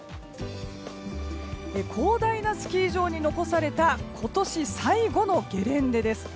広大なスキー場に残された今年最後のゲレンデです。